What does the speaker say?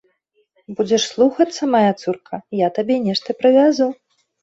Будзеш слухацца, мая цурка, я табе нешта прывязу.